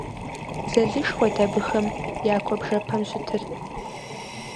Дзэлышхуэт абыхэ я куэбжэпэм щытыр.